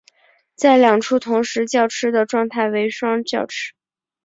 在两处同时叫吃的状态为双叫吃。